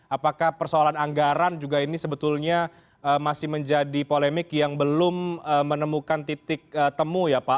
apakah persoalan anggaran juga ini sebetulnya masih menjadi polemik yang belum menemukan titik temu ya pak